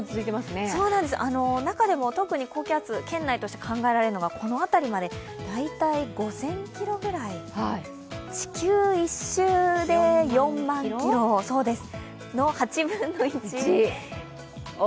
中でも特に高気圧圏内として考えられるのがこの辺りまで大体５０００ｋｍ、地球１周で４万キロの大きいですよ。